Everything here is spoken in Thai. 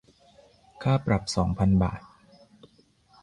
ค่าปรับสองพันบาท